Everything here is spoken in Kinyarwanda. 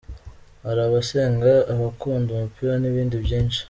Hari abasenga, abakunda umupira n’ibindi byinshi.